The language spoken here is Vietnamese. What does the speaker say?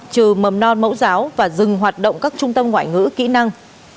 trừ mầm non mẫu giáo và dừng hoạt động các trung tâm ngoại ngữ kỹ năng